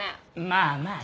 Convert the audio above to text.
まあまあ。